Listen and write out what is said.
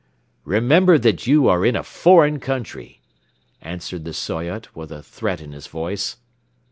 "Remember that you are in a foreign country!" answered the Soyot, with a threat in his voice.